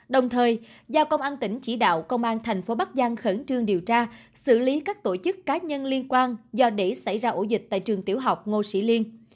đồng thời giao công an tỉnh chỉ đạo công an thành phố bắc giang khẩn trương điều tra xử lý các tổ chức cá nhân liên quan do để xảy ra ổ dịch tại trường tiểu học ngô sĩ liên